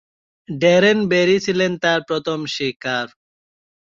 Darren Berry ছিলেন তার প্রথম শিকার।